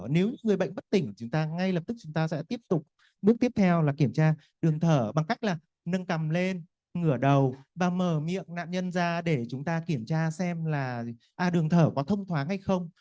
nếu người bệnh bất tỉnh chúng ta ngay lập tức chúng ta sẽ tiếp tục bước tiếp theo là kiểm tra đường thở bằng cách là nâng cằm lên ngửa đầu và mở miệng nạn nhân ra để chúng ta kiểm tra xem là đường thở có thông thoáng hay không